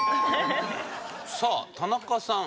さあ田中さん